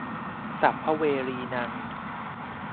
สัพพะเวรีนัง